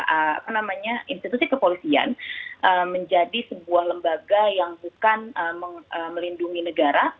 apa namanya institusi kepolisian menjadi sebuah lembaga yang bukan melindungi negara